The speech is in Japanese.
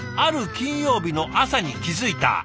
金曜日の朝に気付いた。